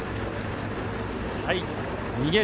逃げる